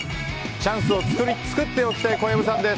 チャンスを作っておきたい小籔さんです。